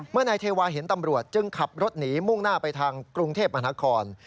นายเทวาเห็นตำรวจจึงขับรถหนีมุ่งหน้าไปทางกรุงเทพมหานคร